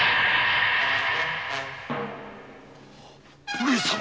上様！？